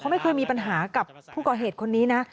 ไม่เคยมีปัญหากับผู้ก่อเหตุคนนี้นะ